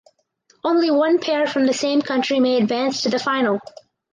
Only one pair from the same country may advance to the final.